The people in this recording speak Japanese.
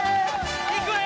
いくわよ！